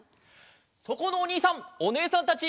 そこのおにいさんおねえさんたち！